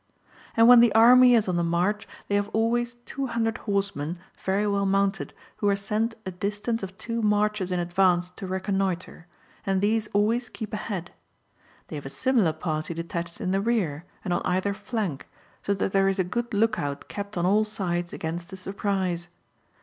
And when the army is on the march they have always 200 horsemen, very well mounted, who are sent a distance of two marches in advance to reconnoitre, and these always keep ahead. They have a similar party de tached in the rear, and on either flank, so that there is a good look out kept on all sides against a surprise.